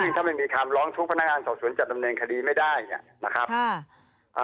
ถ้าไม่มีคำร้องทุกข์พนักงานสอบสวนจะดำเนินคดีไม่ได้เนี่ยนะครับอ่า